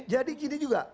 jadi gini juga